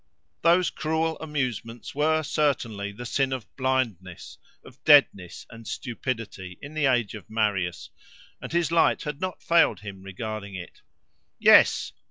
Those cruel amusements were, certainly, the sin of blindness, of deadness and stupidity, in the age of Marius; and his light had not failed him regarding it. Yes!